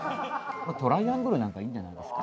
トライアングルなんかいいんじゃないですか？